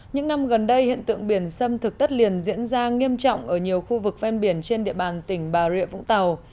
những năm gần đây hiện tượng biển xâm thực đất liền diễn ra nghiêm trọng ở nhiều khu vực ven biển trên địa bàn tỉnh bà rịa vũng tàu